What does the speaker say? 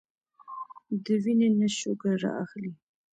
د وينې نه شوګر را اخلي